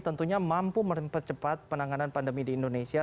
tentunya mampu mempercepat penanganan pandemi di indonesia